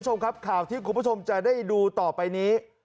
คุณผู้ชมครับข่าวที่คุณผู้ชมจะได้ดูต่อไปนี้